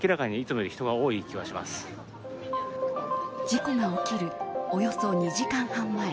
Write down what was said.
事故が起きるおよそ２時間半前